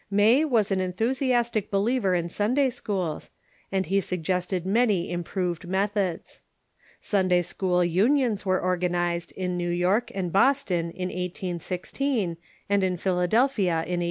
May was an enthusiastic believer in Sundaj' schools, and he suggested many improved methods. Sunday school unions Avere organized in New York and in Boston in 1816, and in Philadelphia in 1817.